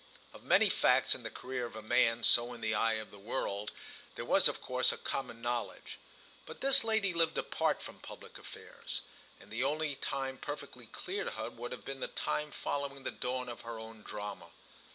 Of many facts in the career of a man so in the eye of the world there was of course a common knowledge; but this lady lived apart from public affairs, and the only time perfectly clear to her would have been the time following the dawn of her own drama.